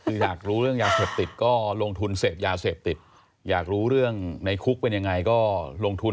คืออยากรู้เรื่องยาเสพติดก็ลงทุนเสพยาเสพติดอยากรู้เรื่องในคุกเป็นยังไงก็ลงทุน